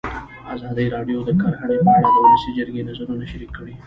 ازادي راډیو د کرهنه په اړه د ولسي جرګې نظرونه شریک کړي.